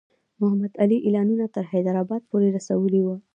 محمدعلي اعلانونه تر حیدرآباد پوري رسولي وو.